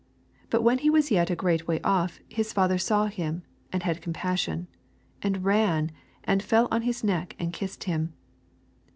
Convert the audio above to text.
But when ne was yet a ^reut way off, his father saw him, sna had compassion, and ran, and rail pn hit neck, and kissed him.